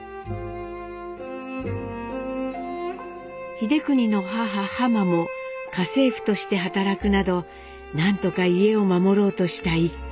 英邦の母ハマも家政婦として働くなど何とか家を守ろうとした一家。